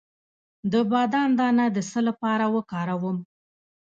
د بادام دانه د څه لپاره وکاروم؟